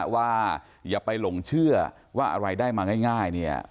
ว่าอย่าไปหลงเชื่อว่าอะไรได้มาง่ายเนี่ย